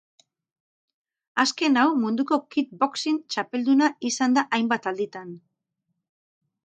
Azken hau munduko kid boxing txapelduna izan da hainbat alditan.